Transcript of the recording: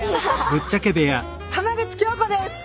浜口京子です！